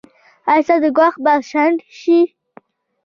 ایا ستاسو ګواښ به شنډ شي؟